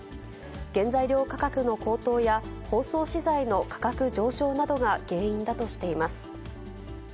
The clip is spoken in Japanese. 原材料価格の高騰や、包装資材の価格上昇などが原因だとしています。